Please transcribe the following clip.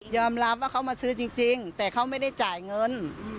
รับว่าเขามาซื้อจริงแต่เขาไม่ได้จ่ายเงิน